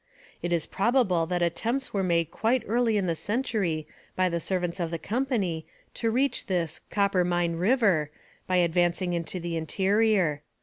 It is probable that attempts were made quite early in the century by the servants of the company to reach this 'Coppermine River' by advancing into the interior.